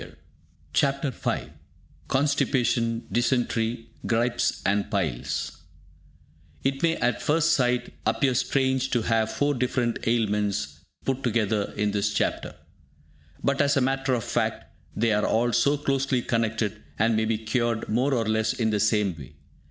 IV CHAPTER V CONSTIPATION, DYSENTERY, GRIPES AND PILES It may at first sight appear strange to have four different ailments put together in this chapter, but, as a matter of fact, they are all so closely connected, and may be cured more or less in the same way.